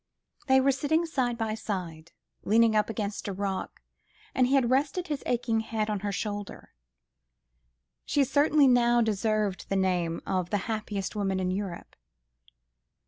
They were sitting side by side, leaning up against a rock, and he had rested his aching head on her shoulder. She certainly now deserved the name of "the happiest woman in Europe."